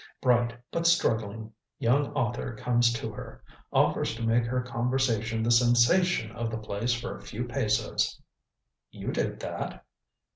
Bright, but struggling, young author comes to her offers to make her conversation the sensation of the place for a few pesos." "You did that?"